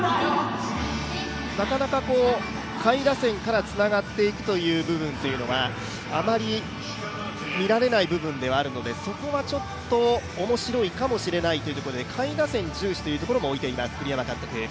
なかなか下位打線からつながっていくという部分というのはあまり見られない部分ではあるので、そこは面白いかもしれないというところで、下位打線重視というところも置いています、栗山監督。